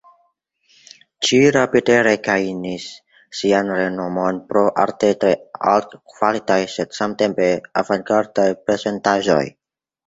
Ĝi rapide regajnis sian renomon pro arte tre altkvalitaj sed samtempe avangardaj prezentaĵoj.